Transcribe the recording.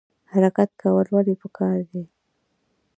حرکت کول ولې پکار دي؟